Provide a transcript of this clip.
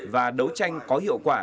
và đấu tranh có hiệu quả